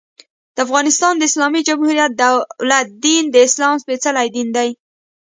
د افغانستان د اسلامي جمهوري دولت دين، د اسلام سپيڅلی دين دى.